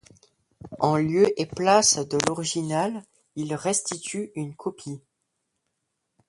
En lieu et place de l'original, il restitue une copie.